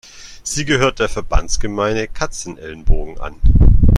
Sie gehört der Verbandsgemeinde Katzenelnbogen an.